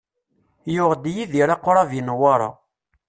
Yuɣ-d Yidir aqrab i Newwara.